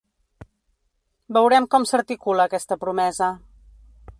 Veurem com s’articula aquesta promesa.